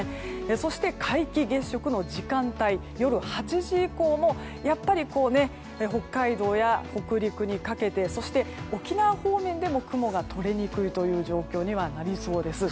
そして皆既月食の時間帯夜８時以降も北海道や北陸にかけてそして、沖縄方面も雲が取れにくいという状況にはなりそうです。